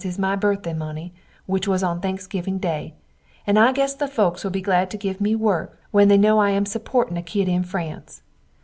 is my birthday money which was on thanksgiving day and I guess the folks will be glad to give me work when they no I am suporting a kid in france.